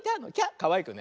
かわいくね。